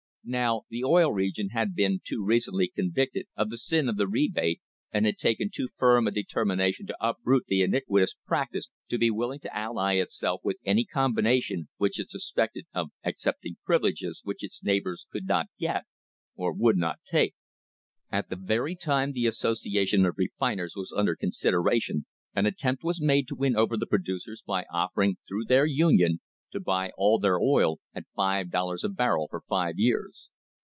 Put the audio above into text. Now the Oil Region had been too recently convicted of the sin of the rebate, and had taken too firm a determination to uproot the iniquitous practice to be willing to ally itself with any combination which it suspected of accepting privileges which its neighbours could not get or would not take. At the very time the association of refiners was under con sideration an attempt was made to win over the producers by offering, through their union, to buy all their oil at five dollars a barrel for five years.